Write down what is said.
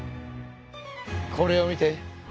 これを見て。